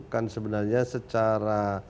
kan sebenarnya secara